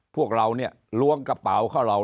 พวกเราเนี่ยล้วงกระเป๋าเข้าเรา